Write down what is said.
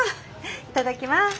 いただきます。